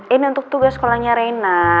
ini untuk tugas sekolahnya reina